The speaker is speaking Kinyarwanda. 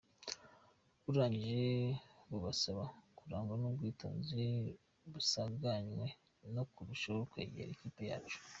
Burangije bubasaba kurangwa n’ubwitonzi musanganywe no kurushaho kwegera ikipe yacu”